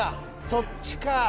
「そっちか」